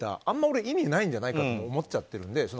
あんまり意味ないんじゃないかと思っちゃってるので。